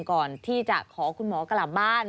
ก่อนที่จะขอคุณหมอกลับบ้าน